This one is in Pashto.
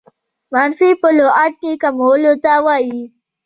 منفي په لغت کښي کمولو ته وايي.